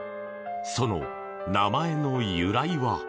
その名前の由来は。